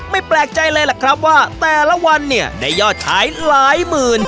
แปลกใจเลยล่ะครับว่าแต่ละวันเนี่ยได้ยอดขายหลายหมื่น